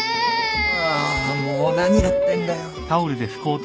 ああもう何やってんだよ。